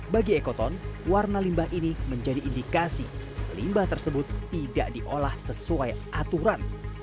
bagi ekoton warna limbah ini menjadi indikasi limbah tersebut tidak diolah sesuai aturan